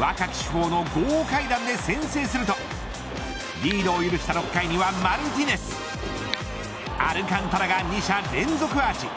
若き主砲の豪快弾で先制するとリードを許した６回にはマルティネスアルカンタラが２者連続アーチ。